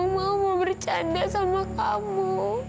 mau mau bercanda sama kamu